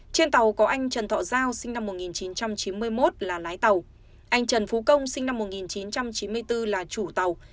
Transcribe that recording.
trên tàu có anh trần thọ giao sinh năm một nghìn chín trăm chín mươi một là lái tàu anh trần phú công sinh năm một nghìn chín trăm chín mươi bốn là chủ tàu